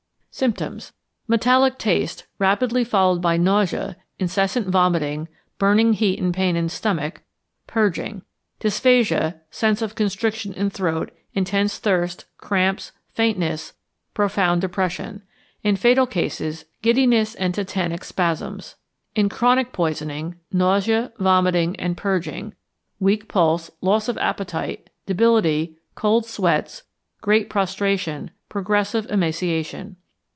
Symptoms. Metallic taste, rapidly followed by nausea, incessant vomiting, burning heat and pain in stomach, purging. Dysphagia, sense of constriction in throat, intense thirst, cramps, faintness, profound depression; in fatal cases, giddiness and tetanic spasms. In chronic poisoning, nausea, vomiting and purging, weak pulse, loss of appetite, debility, cold sweats, great prostration, progressive emaciation.